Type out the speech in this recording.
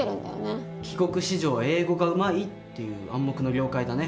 帰国子女は英語がうまいっていう「暗黙の了解」だね。